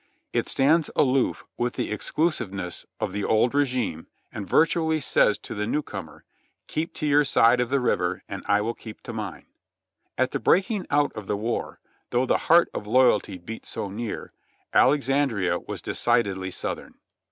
It stands aloof with the exclusiveness of the old regime and virtually says to the new comer, "Keep to your side of the river and I will keep to mine.'' At the breaking out of the war, though the heart of loyalty beat so near, Alexandria was decidedly Southern.